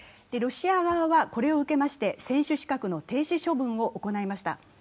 ロシア側はこれを受けまして選手の停止処分を行いました。